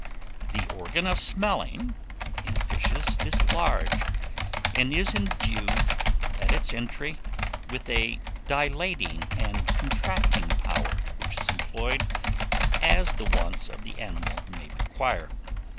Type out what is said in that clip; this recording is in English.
The organ of smelling in fishes is large, and is endued, at its entry, with a dilating and contracting power, which is employed as the wants of the animal may require.